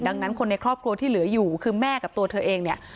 ดังนั้นคนในครอบครัวที่เหลืออยู่คือแม่กับตัวเธอเองเนี่ย